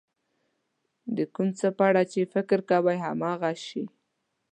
د کوم څه په اړه چې فکر کوئ هماغه شی.